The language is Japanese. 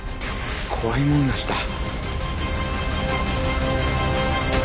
怖いもんなしだ。